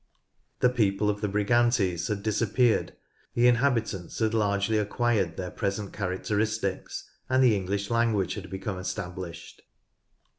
The people of the Brigantes had disappeared, the inhabitants had largely acquired their present characteristics, and the English language had become established.